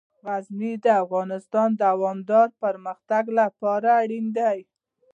غزني د افغانستان د دوامداره پرمختګ لپاره اړین دي.